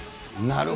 なるほど。